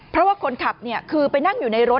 เพราะว่าคนขับคือไปนั่งอยู่ในรถ